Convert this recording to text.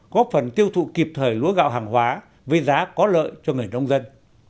góp phần tiêu thụ kịp thời lúa gạo hàng hóa với giá có lợi cho người nông dân